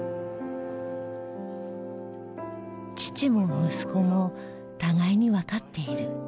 父も息子も互いにわかっている。